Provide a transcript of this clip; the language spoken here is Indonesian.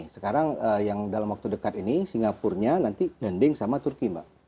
sekarang yang dalam waktu dekat ini singapuranya nanti ganding sama turki mbak